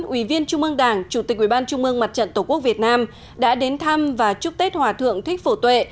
ủy viên trung ương đảng chủ tịch ubnd mặt trận tổ quốc việt nam đã đến thăm và chúc tết hòa thượng thích phổ tuệ